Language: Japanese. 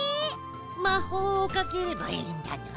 まほうをかければいいんだな？